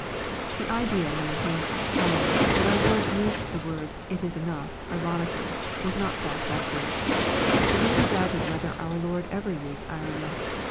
The idea maintained by some^ that our Lord used the word ^ it is enough," ironically, is not satisfactory. It may be doubted whether our Lord ever used irony.